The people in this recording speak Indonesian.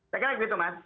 saya kira begitu mas